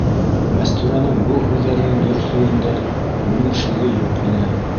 Мәстүрәнең был һүҙҙәренең дөрөҫлөгөндә уның шиге юҡ ине.